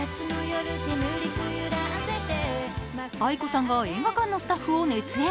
ａｉｋｏさんが映画館のスタッフを熱演。